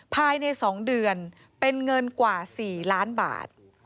ภายใน๒เดือนเป็นเงินกว่า๔ล้านบาท